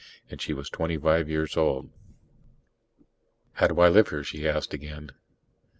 And she was twenty five years old. "How do I live here?" she asked again.